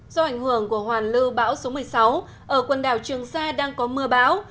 do ảnh hưởng của hoàn lưu bão số một mươi sáu ở quần đảo trường sa đang có mưa bão